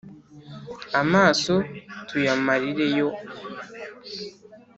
amaso tuyamarireyo